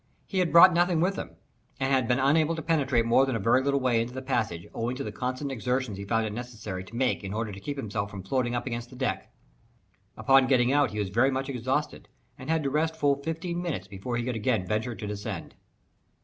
He had brought nothing with him, and had been unable to penetrate more than a very little way into the passage, owing to the constant exertions he found it necessary to make in order to keep himself from floating up against the deck. Upon getting out he was very much exhausted, and had to rest full fifteen minutes before he could again venture to descend.